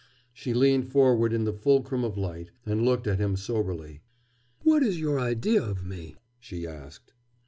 She leaned forward in the fulcrum of light, and looked at him soberly. "What is your idea of me?" she asked.